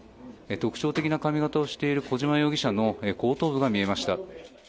特徴的な髪形をしている小島容疑者の後頭部が見えました。